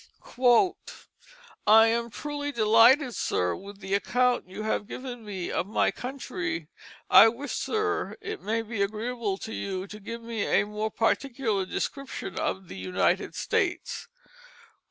"I am truly delighted, sir, with the account you have given me of my country. I wish, sir, it may be agreeable to you to give me a more particular description of the United States.